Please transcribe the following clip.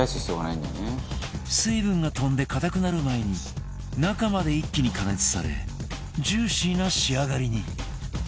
水分が飛んで硬くなる前に中まで一気に加熱されジューシーな仕上がりに